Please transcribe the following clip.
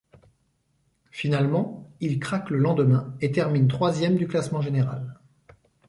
Finalement, il craque le lendemain et termine troisième du classement général.